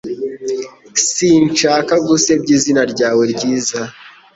Sinshaka gusebya izina ryawe ryiza